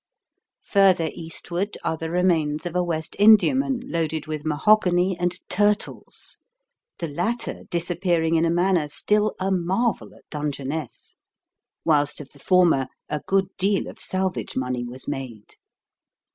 Further eastward are the remains of a West Indiaman, loaded with mahogany and turtles, the latter disappearing in a manner still a marvel at Dungeness, whilst of the former a good deal of salvage money was made.